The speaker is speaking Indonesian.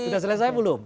sudah selesai belum